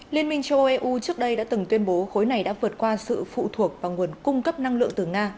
liên minh châu âu eu trước đây đã từng tuyên bố khối này đã vượt qua sự phụ thuộc vào nguồn cung cấp năng lượng từ nga